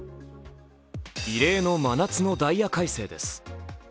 異例の真夏のダイヤ改正です。